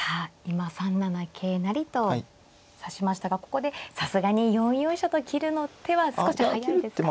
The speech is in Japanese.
今３七桂成と指しましたがここでさすがに４四飛車と切る手は少し早いですか。